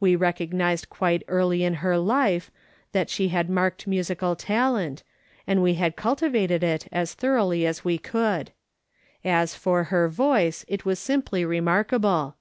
We recognised quite early in her life, that she had marked musical talent, and we had culti "/ DO DISLIKE SCENES." 151 vated it as thorouglily as we could. As for her voice, it was simply remarkable.